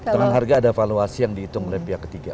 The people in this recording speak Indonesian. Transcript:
dengan harga ada valuasi yang dihitung oleh pihak ketiga